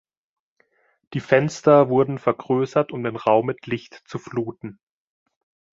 Die Fenster wurden vergrößert um den Raum mit Licht zu fluten.